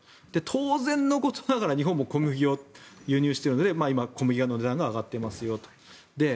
当然のことながら日本も小麦を輸入しているので今、小麦の値段が上がっていますよと。